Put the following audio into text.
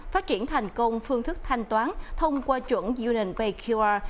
phát triển thành công phương thức thanh toán thông qua chuẩn unionpayqr